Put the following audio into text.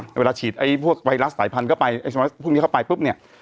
เมื่อเฉีดไอ้พวกไวรัสสายพันธุ์เข้าไปอีกพวกเขาไป